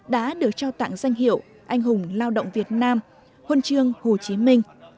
đã được trao tặng danh hiệu anh hùng lao động việt nam hôn trương hồ chí minh